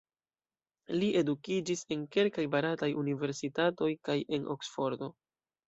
Li edukiĝis en kelkaj barataj universitatoj kaj en Oksfordo.